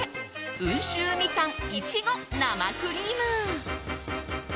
温州みかん苺生クリーム。